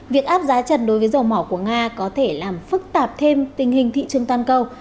việc áp giá trần đối với dầu mỏ của nga có thể làm phức tạp thêm tình hình thị trường toàn cầu